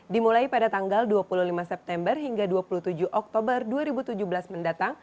dimulai pada tanggal dua puluh lima september hingga dua puluh tujuh oktober dua ribu tujuh belas mendatang